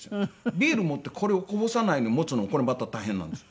ビール持ってこれをこぼさないように持つのこれまた大変なんですよ。